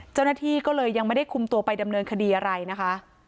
เจ้าหน้าที่ก็เลยยังไม่ได้คุมตัวไปดำเนินคดีอะไรนะคะ